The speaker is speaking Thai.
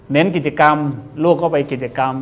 กิจกรรมลวกเข้าไปกิจกรรม